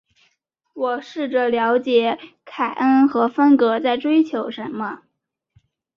我试着了解凯恩和芬格在追求什么。